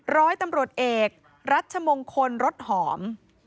ร้อยตำรวจเอกรัชมงคลรถหอม